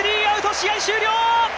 試合終了！